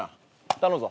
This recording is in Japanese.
頼むぞ。